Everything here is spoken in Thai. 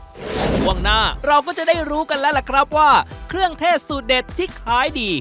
ช่วงหน้าเราก็จะได้รู้กันแล้วล่ะครับว่าเครื่องเทศสูตรเด็ดที่ขายดี